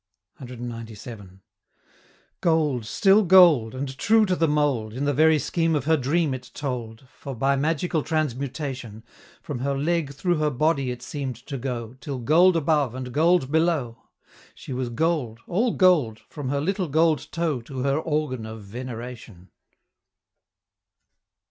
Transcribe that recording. CXCVII. Gold, still gold and true to the mould! In the very scheme of her dream it told; For, by magical transmutation, From her Leg through her body it seem'd to go, Till, gold above, and gold below. She was gold, all gold, from her little gold toe To her organ of Veneration!